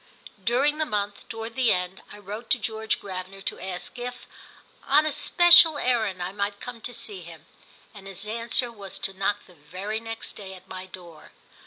During the month, toward the end, I wrote to George Gravener to ask if, on a special errand, I might come to see him, and his answer was to knock the very next day at my door.